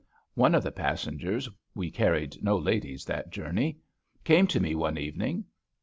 One of the passengers — ^we carried no ladies that journey— came to me one evening.